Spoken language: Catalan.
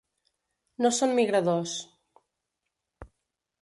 No són migradors.